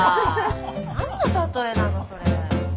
何の例えなのそれ。